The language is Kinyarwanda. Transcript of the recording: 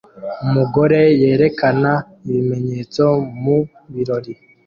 Umugore yerekana ibimenyetso mu birori